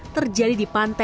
terjadi di pantai